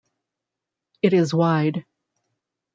It is wide.